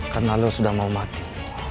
karena lo sudah mau mati